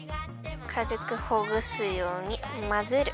かるくほぐすようにまぜる！